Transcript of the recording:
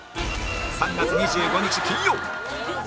３月２５日金曜